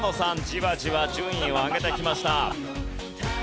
じわじわ順位を上げてきました。